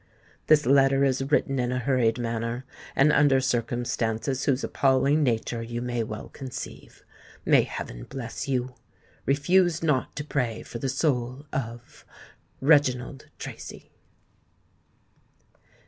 This letter is written in a hurried manner, and under circumstances whose appalling nature you may well conceive. May heaven bless you! Refuse not to pray for the soul of "REGINALD TRACY."